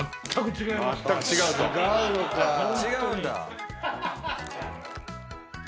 違うんだ。